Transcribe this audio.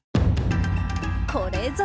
これぞ！